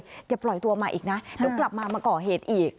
เดี๋ยวปล่อยตัวมาอีกนะแล้วกลับมาก่อเหตุอีก